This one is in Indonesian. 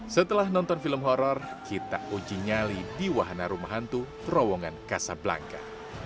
setelah nonton film horror kita uji nyali di wahana rumah hantu terowongan kasablangka